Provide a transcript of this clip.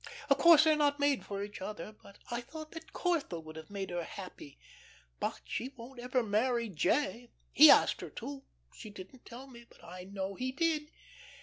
Of course they're not made for each other. But I thought that Corthell would have made her happy. But she won't ever marry 'J.' He asked her to; she didn't tell me, but I know he did.